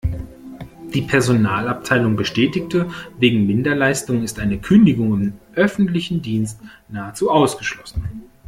Die Personalabteilung bestätigte: Wegen Minderleistung ist eine Kündigung im öffentlichen Dienst nahezu ausgeschlossen.